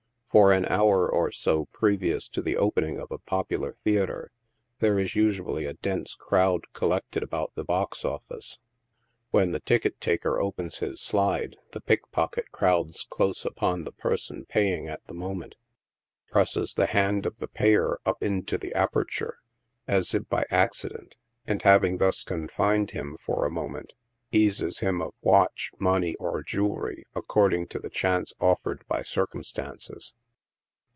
For an hour or so previous to the opening of a popular theatre, there is usually a dense crowd csllected about the box office. When the ticket taker opens his slide, the pickpocket crowds close upon the person paying at the moment, presses the hand of the payer up into the aperture, as if by accident, and having thus confined him for a moment, eases him of watch, money or jewelry, according to the chance offered by circumstances.